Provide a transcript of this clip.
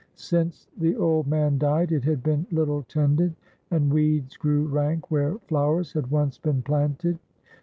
Since the old man died, it had been little tended, and weeds grew rank where flowers had once been planted.